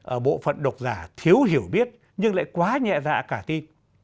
ở bộ phận độc giả thiếu hiểu biết nhưng lại quá nhẹ dạ cả tin